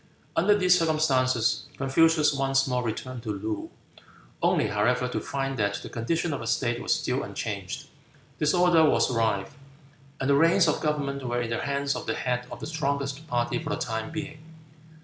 Under these circumstances Confucius once more returned to Loo, only however to find that the condition of the state was still unchanged; disorder was rife; and the reins of government were in the hands of the head of the strongest party for the time being.